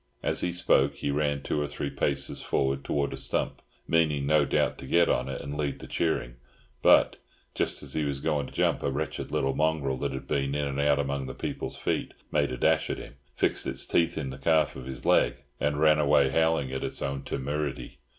As he spoke he ran two or three paces forward towards a stump, meaning, no doubt, to get on it and lead the cheering; but, just as he was going to jump, a wretched little mongrel that had been in and out among the people's feet made a dash at him, fixed its teeth in the calf of his leg, and ran away howling at its own temerity.